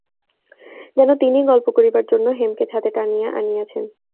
যেন তিনিই গল্প করিবার জন্য হেমকে ছাদে টানিয়া আনিয়াছেন।